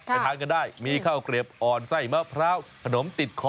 ทานกันได้มีข้าวเกลียบอ่อนไส้มะพร้าวขนมติดคอ